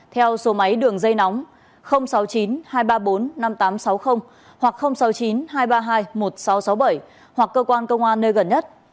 theo số máy đường dây nóng sáu mươi chín hai trăm ba mươi bốn năm nghìn tám trăm sáu mươi hoặc sáu mươi chín hai trăm ba mươi hai một nghìn sáu trăm sáu mươi bảy hoặc cơ quan công an nơi gần nhất